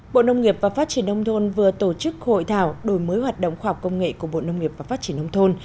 bộ nông nghiệp và phát triển nông thôn vừa tổ chức hội thảo đổi mới hoạt động khoa học công nghệ của bộ nông nghiệp và phát triển nông thôn